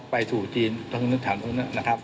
ไปสู่จีน